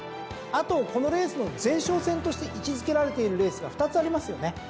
あとこのレースの前哨戦として位置付けられているレースが２つありますよね。